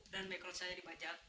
dan mikrolet saya dibaca